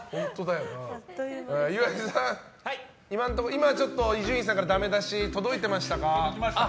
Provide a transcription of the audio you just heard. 岩井さん、伊集院さんからのダメ出し届いてましたか？